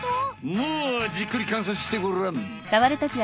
まあじっくりかんさつしてごらん。